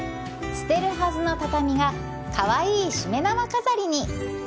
捨てるはずの畳がカワイイしめ縄飾りに